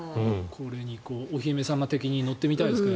これに、お姫様的に乗ってみたいですか？